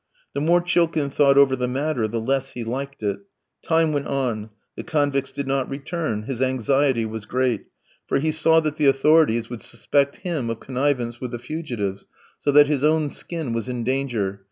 The more Chilkin thought over the matter the less he liked it. Time went on; the convicts did not return; his anxiety was great; for he saw that the authorities would suspect him of connivance with the fugitives, so that his own skin was in danger.